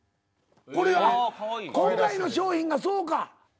これあっ今回の商品がそうか。